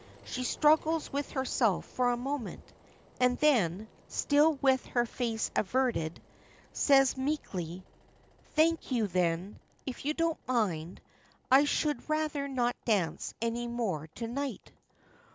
She struggles with herself for a moment, and then, still with her face averted, says meekly: "Thank you, then. If you don't mind, I should rather not dance any more to night."